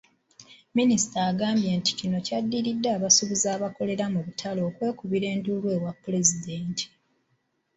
Minisita agambye nti kino kyaddirira abasuubuzi abakolera mu butale okwekubira enduulu ewa Pulezidenti.